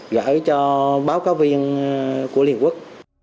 gửi cho báo cáo viên của liên quốc